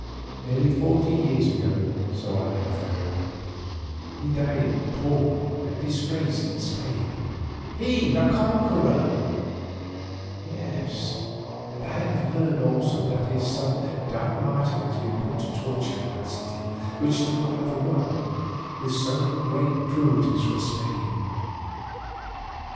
Nearly forty years ago, so I have heard, he died poor and disgraced in Spain; he, the conqueror—yes, and I have learned also that his son Don Martin has been put to the torture in that city which the father won with so great cruelties for Spain.